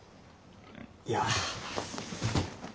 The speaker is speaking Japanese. いや。